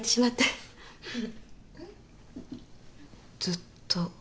ずっと。